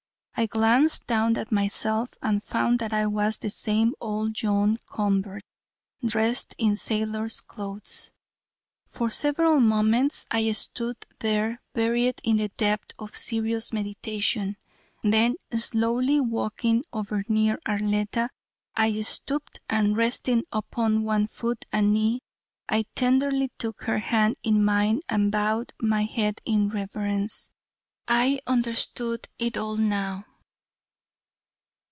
I glanced down at myself and found that I was the same old John Convert dressed in sailor's clothes. For several moments I stood there buried in the depth of serious meditation. Then slowly walking over near Arletta, I stooped and resting upon one foot and knee, I tenderly took her hand in mine and bowed my head in reverence. I understood it all now.